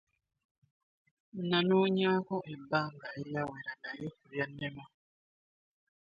Nanoonyaako ebbanga eryawera naye byannema.